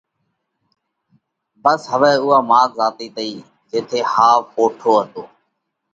ڀس هوَئہ اُوئا ماڳ زاتئِي تئِي جيٿئہ ۿاوَ پوٽو هتو